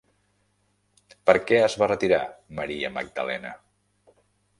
Per què es va retirar Maria Magdalena?